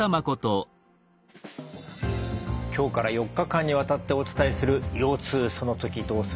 今日から４日間にわたってお伝えする「腰痛そのときどうする？」。